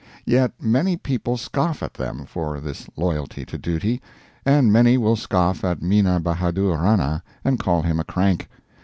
Yet many people scoff at them for this loyalty to duty, and many will scoff at Mina Bahadur Rana and call him a crank.